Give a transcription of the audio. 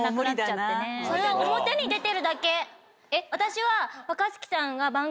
私は。